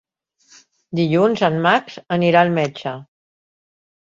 Dilluns en Max anirà al metge.